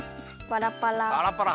パラパラ。